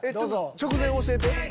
直前教えて。